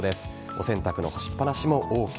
お洗濯の干しっ放しもＯＫ。